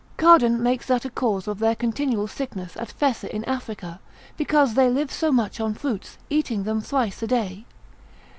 Cardan makes that a cause of their continual sickness at Fessa in Africa, because they live so much on fruits, eating them thrice a day.